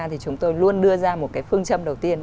thì chúng tôi luôn đưa ra một cái phương châm đầu tiên